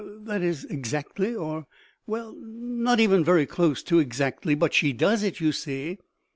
that is, exactly; or, well not even very close to exactly. But she does it, you see."